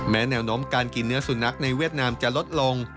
แนวโน้มการกินเนื้อสุนัขในเวียดนามจะลดลง